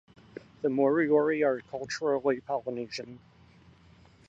The Moriori are culturally Polynesian.